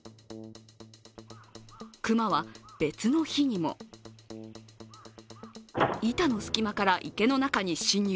熊は別の日にも板の隙間から池の中に侵入。